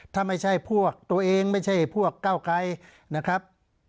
ถ้าไม่ใช่พวกตัวเองไม่ใช่พวกเก้าไกรนะครับ